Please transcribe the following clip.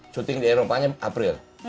syuting di eropanya april